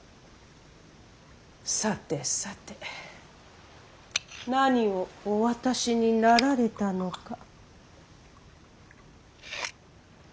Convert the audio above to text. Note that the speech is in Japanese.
さてさて何をお渡しになられたのか。